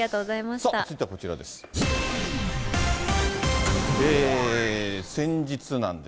続いてはこちらです。